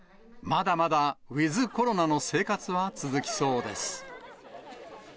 まだまだウィズコロナの生活は続きそうです。